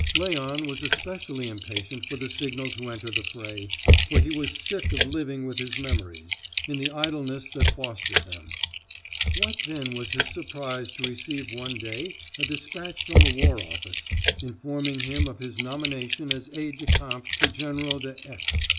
Léon was specially impatient for the signal to enter the fray, for he was sick of living with his memories, in the idleness that fostered them. What then was his surprise to receive one day a despatch from the War Office, informing him of his nomination as aide de camp to General de X.